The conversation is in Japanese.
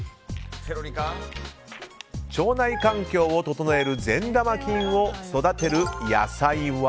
腸内環境を整える善玉菌を育てる野菜は。